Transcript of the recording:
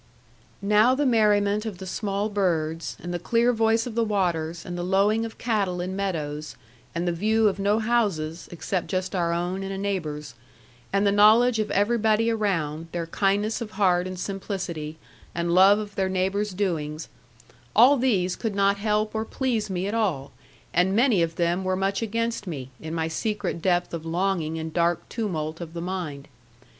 Now the merriment of the small birds, and the clear voice of the waters, and the lowing of cattle in meadows, and the view of no houses (except just our own and a neighbour's), and the knowledge of everybody around, their kindness of heart and simplicity, and love of their neighbour's doings, all these could not help or please me at all, and many of them were much against me, in my secret depth of longing and dark tumult of the mind.